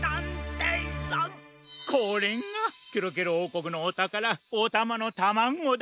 これがケロケロおうこくのおたからおたまのタマゴだ！